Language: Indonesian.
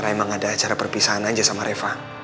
emang ada acara perpisahan aja sama reva